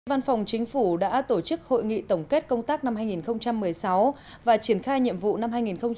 văn phòng chính phủ đã tổ chức hội nghị tổng kết công tác năm hai nghìn một mươi sáu và triển khai nhiệm vụ năm hai nghìn một mươi chín